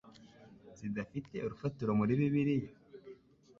zidafite urufatiro muri Bibliya?